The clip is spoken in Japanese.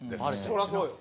そりゃそうよ。